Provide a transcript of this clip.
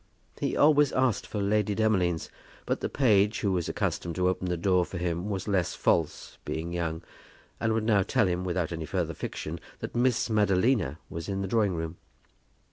He always asked for Lady Demolines. But the page who was accustomed to open the door for him was less false, being young, and would now tell him, without any further fiction, that Miss Madalina was in the drawing room.